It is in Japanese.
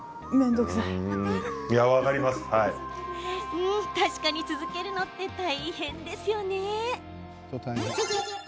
うーん、確かに続けるのって大変ですよね。